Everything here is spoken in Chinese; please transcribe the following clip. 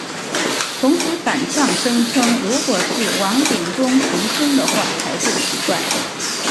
同时反呛声称如果是王炳忠袭胸的话才不奇怪。